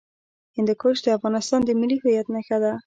هندوکش د افغانستان د ملي هویت نښه ده.